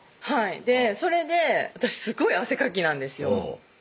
はいそれで私すごい汗かきなんですよ